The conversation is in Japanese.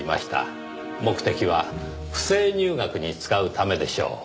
目的は不正入学に使うためでしょう。